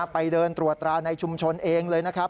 ไปเดินตรวจตราในชุมชนเองเลยนะครับ